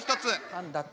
パンダと。